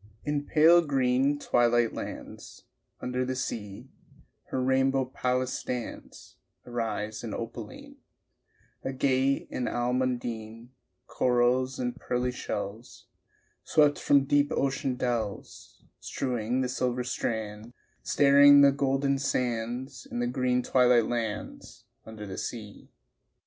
H.) In pale green twilight lands Under the sea Her rainbow palace stands, Irised and opaline; Agate and almondine, Corals and pearly shells Swept from deep ocean dells, Strewing the silver strands, Starring the golden sands In the green twilight lands Under the sea.